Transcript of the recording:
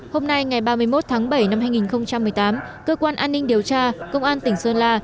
hôm nay ngày ba mươi một tháng bảy năm hai nghìn một mươi tám cơ quan an ninh điều tra công an tỉnh sơn la